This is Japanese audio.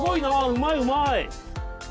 うまいうまい！